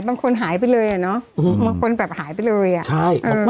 บางคนหายไปเลยอ่ะเนอะบางคนแบบหายไปเลยอ่ะใช่